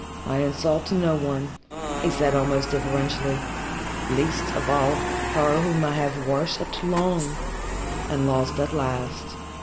"I insult no one," he said, almost deferentially. "Least of all her whom I have worshipped long and lost at last.